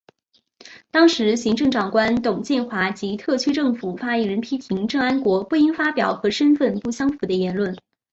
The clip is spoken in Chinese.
当时行政长官董建华及特区政府发言人批评郑安国不应发表和身份不相符的言论。